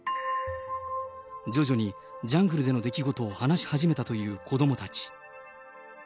徐々にジャングルでの出来事を話し始めたという子どもたち。